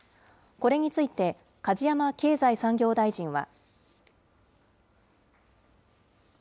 これについて、梶山経済産業大臣は。